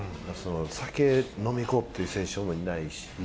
酒、飲みに行こうという選手もいないし。